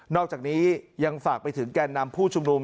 อกจากนี้ยังฝากไปถึงแก่นำผู้ชุมนุม